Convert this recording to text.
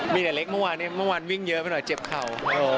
มีแต่เล็กเมื่อวานเนี่ยเมื่อวานวิ่งเยอะไปหน่อยเจ็บเข่า